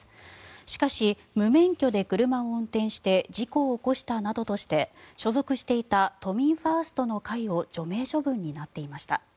しかし、無免許で車を運転して事故を起こしたなどとして所属していた都民ファーストの会を除名処分になっていました。